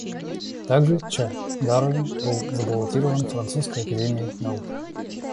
Также Ч. Дарвин был забаллотирован французской Академией наук.